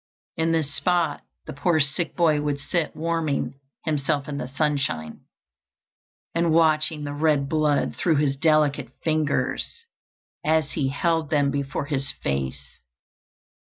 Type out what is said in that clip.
In this spot the poor sick boy would sit warming himself in the sunshine, and watching the red blood through his delicate fingers as he held them before his face.